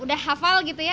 sudah hafal gitu ya